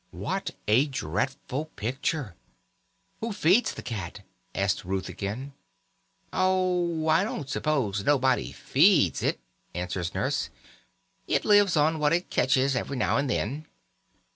What a dreadful picture! "Who feeds the cat?" asked Ruth again. "Oh, I don't suppose nobody feeds it," answered Nurse. "It lives on what it ketches every now and then."